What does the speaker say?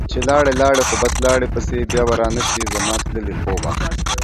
چې لاړي لاړي خو بس لاړي پسي ، بیا به رانشي زما تللي خوبه